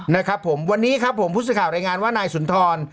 นี่ฮะวันนี้ครับผมพุศข่าวรายงานว่านายสุนทร